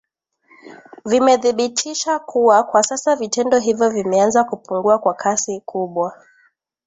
wamethibitisha kuwa kwa sasa vitendo hivyo vimeanza kupungua kwa kasi kubwa